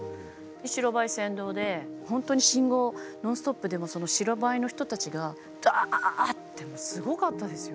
白バイ先導で本当に信号ノンストップで白バイの人たちがダッてもうすごかったですよ。